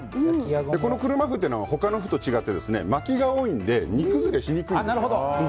車麩というのは他の麩と違って巻きが多いので煮崩れしにくいんですよ。